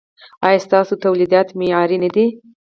ایا ستاسو تولیدات معیاري نه دي؟